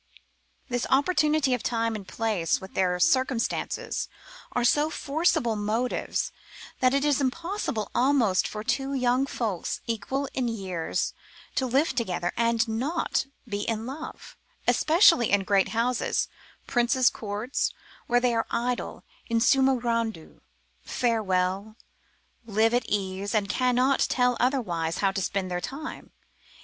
This opportunity of time and place, with their circumstances, are so forcible motives, that it is impossible almost for two young folks equal in years to live together, and not be in love, especially in great houses, princes' courts, where they are idle in summo gradu, fare well, live at ease, and cannot tell otherwise how to spend their time.